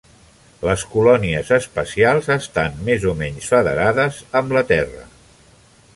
Les colònies espacials estan més o menys federades amb la Terra.